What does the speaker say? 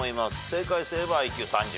正解すればＩＱ３０。